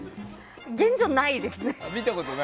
現状ないですね。